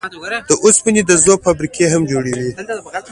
د اوسپنې د ذوب فابريکې هم جوړوي.